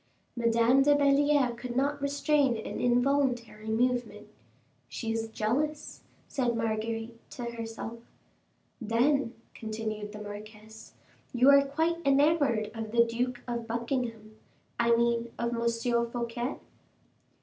Madame de Belliere could not restrain an involuntary movement. "She is jealous," said Marguerite to herself. "Then," continued the marquise, "you are quite enamored of the Duke of Buckingham I mean of M. Fouquet?"